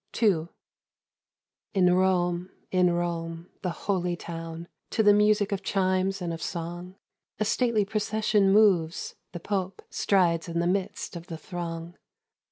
II. In Rome, in Rome, in the holy town, To the music of chimes and of song, A stately procession moves, the Pope Strides in the midst of the throng.